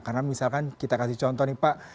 karena misalkan kita kasih contoh nih pak